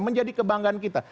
menjadi kebanggaan kita